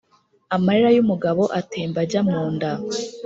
Amarira y’umugabo atemba ajya mu nda.